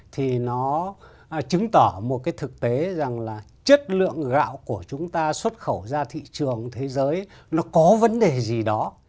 thì nó chứng tỏ một cái thực tế rằng là chất lượng gạo của chúng ta xuất khẩu ra thị trường thế giới nó có vấn đề gì đó